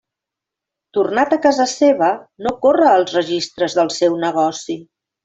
Tornat a casa seva, no corre als registres del seu negoci.